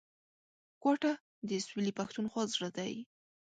کوټه د سویلي پښتونخوا زړه دی